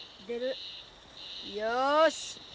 よし。